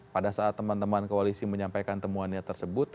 pada saat teman teman koalisi menyampaikan temuannya tersebut